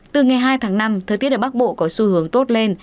từ ngày hai tháng năm thời tiết ở bắc bộ có xu hướng tốt lên